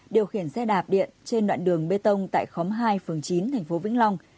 điều khiển xe đạp điện trên đoạn đường bê tông tại khóm hai phường chín thành phố vĩnh long